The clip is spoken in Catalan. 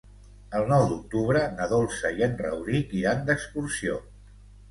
El nou d'octubre na Dolça i en Rauric iran d'excursió.